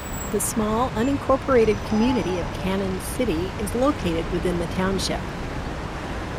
The small, unincorporated community of Cannon City is located within the township.